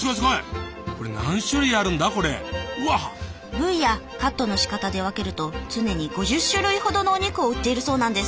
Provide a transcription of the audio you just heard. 部位やカットのしかたで分けると常に５０種類ほどのお肉を売っているそうなんです。